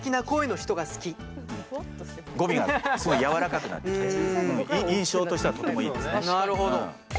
語尾がすごい柔らかくなってきて印象としてはとてもいいですね。